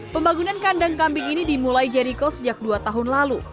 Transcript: pembangunan kandang kambing ini dimulai jeriko sejak dua tahun lalu